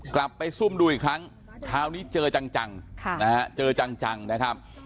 กลับไปซุ่มดูอีกครั้งคราวนี้เจอจังจังค่ะนะฮะเจอจังจังนะครับ